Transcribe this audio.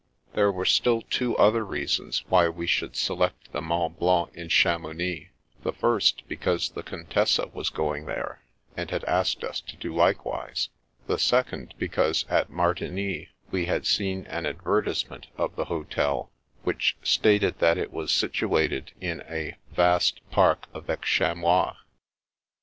There were still two other reasons why we should select the Mont Blanc in Chamounix : the first, because the Contessa was going there and had asked us to do likewise; the second, because at Martigny we had seen an adver tisement of the hotel which stated that it was situated in a " vaste pare avec chamois."